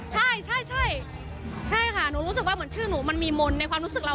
ใช่ใช่ค่ะหนูรู้สึกว่าเหมือนชื่อหนูมันมีมนต์ในความรู้สึกเรา